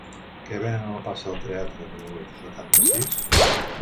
Què venen a la plaça del Teatre número setanta-sis?